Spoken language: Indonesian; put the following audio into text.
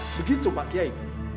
begitu pak kiai